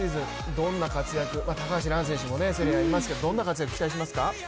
どんな活躍、高橋藍選手もセリエＡにいますけどどんな活躍を期待しますか？